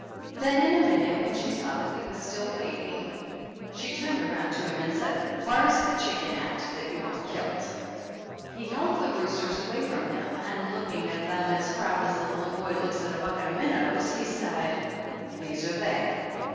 Then in a minute, when she saw that he was still waiting, she turned around to him and said: "Whar is the chicken at that you want killed?" He held the roosters away from him and, looking at them as proud as a little boy looks at a bucket of minnows, he said : "These are they